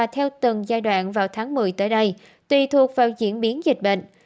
theo từng giai đoạn vào tháng một mươi tới đây tùy thuộc vào diễn biến dịch bệnh